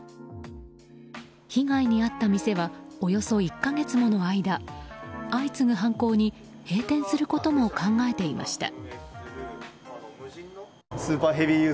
被害に遭った店はおよそ１か月もの間相次ぐ犯行に閉店することも考えていました。